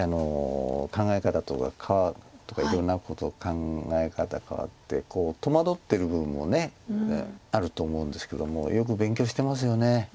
考え方とかいろんなこと考え方変わってこう戸惑ってる部分もあると思うんですけどもよく勉強してますよね